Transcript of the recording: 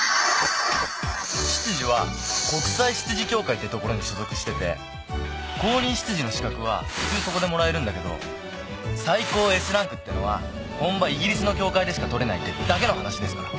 執事は国際執事協会ってところに所属してて公認執事の資格は普通そこでもらえるんだけど最高Ｓランクってのは本場イギリスの協会でしか取れないってだけの話ですから。